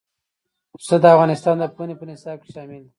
پسه د افغانستان د پوهنې په نصاب کې شامل دی.